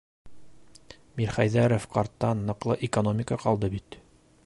Мирхәйҙәров ҡарттан ныҡлы экономика ҡалды бит.